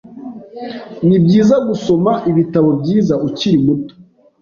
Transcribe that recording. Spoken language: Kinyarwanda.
Nibyiza gusoma ibitabo byiza ukiri muto.